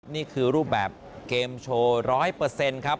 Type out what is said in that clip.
นี่คือรูปแบบเกมโชว์๑๐๐ครับ